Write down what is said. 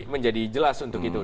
menjadi jelas untuk kita